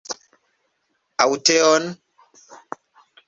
Aŭ teon?